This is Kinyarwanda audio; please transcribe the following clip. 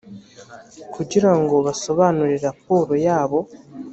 kugirango basobanure raporo yabo